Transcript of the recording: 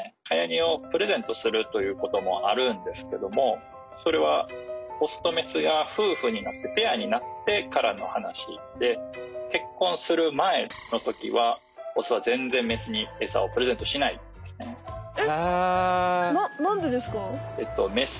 はやにえをプレゼントするということもあるんですけどもそれはオスとメスがふうふになってペアになってからのはなしで結婚するまえのときはオスはぜんぜんメスにえさをプレゼントしないんですね。